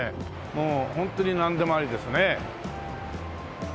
もうホントになんでもありですね。